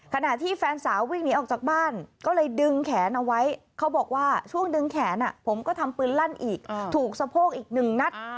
ขณะที่แฟนสาววิ่งหนีออกจากบ้านก็เลยดึงแขนเอาไว้เขาบอกว่าช่วงดึงแขนผมก็ทำปืนลั่นอีกถูกสะโพกอีกหนึ่งนัด